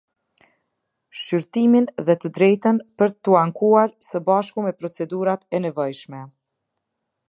Shqyrtimin dhe të drejtën për t'u ankuar së bashku me procedurat e nevojshme.